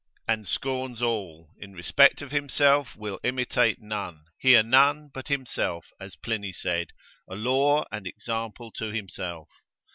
and scorns all in respect of himself will imitate none, hear none but himself, as Pliny said, a law and example to himself.